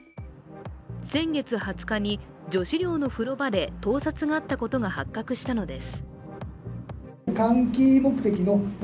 先月２０日に女子寮の風呂場で、盗撮があったことが発覚したのです。